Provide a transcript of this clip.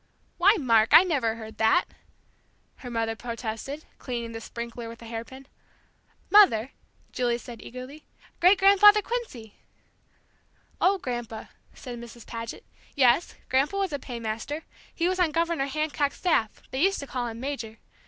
"Why, Mark, I never heard that!" her mother protested, cleaning the sprinkler with a hairpin. "Mother!" Julie said eagerly. "Great grandfather Quincy!" "Oh, Grandpa," said Mrs. Paget. "Yes, Grandpa was a paymaster. He was on Governor Hancock's staff. They used to call him 'Major.'